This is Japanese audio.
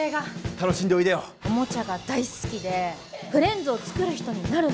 おもちゃが大好きで「フレンズを作る人になるんだ！」。